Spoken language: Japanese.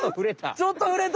ちょっとふれた！